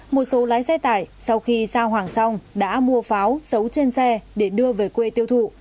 một số lái xe tải sau khi giao hoàng song đã mua pháo xấu trên xe để đưa về quê tiêu thụ